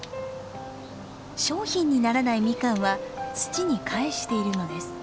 商品にならないミカンは土に返しているのです。